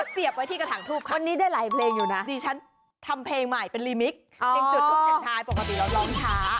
สี้านั่นไงผมอยู่สิเกมคลัง